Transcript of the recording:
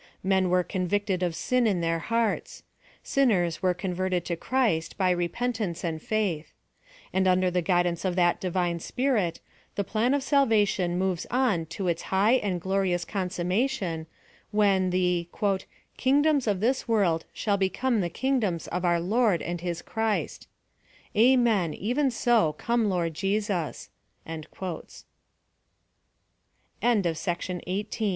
Men were convicted of sin in their hearts. Sinners were converted to Christ, by repentance and faith. And under the guida.xe of that Divine Spirit, the Plan of Salvation moves on to its high and glorious con summation, when the " kingdoms of this world shall become the kingdoms of our Lord and his Christ/ "Amen